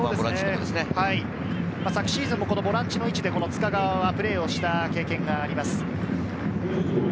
昨シーズンもボランチの位置で塚川はプレーをした経験があります。